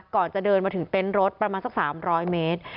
ก่อนจะเดินมาถึงเต็นต์รถประมาณสัก๓๐๐เมตร